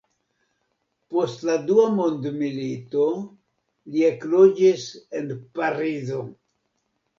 Post la dua mondmilito li ekloĝis en Parizo.